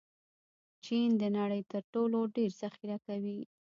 چین د نړۍ تر ټولو ډېر ذخیره کوي.